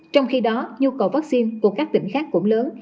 trong khi đó nhu cầu vaccine của các tỉnh khác cũng lớn